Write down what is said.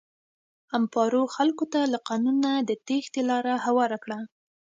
امپارو خلکو ته له قانونه د تېښتې لاره هواره کړه.